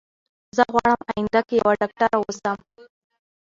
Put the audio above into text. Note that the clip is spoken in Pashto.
زه غواړم اينده کي يوه ډاکتره اوسم